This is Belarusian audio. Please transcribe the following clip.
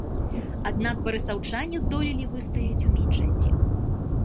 Аднак барысаўчане здолелі выстаяць у меншасці.